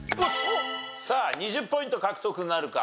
さあ２０ポイント獲得なるか？